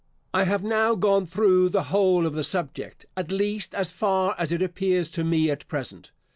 I have now gone through the whole of the subject, at least, as far as it appears to me at present.